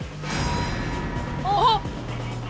あっ！